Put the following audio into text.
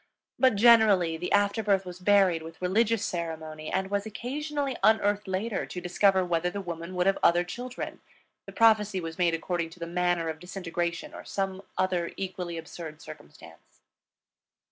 But generally the after birth was buried with religious ceremony, and was occasionally unearthed later to discover whether the woman would have other children; the prophecy was made according to the manner of disintegration or some other equally absurd circumstance.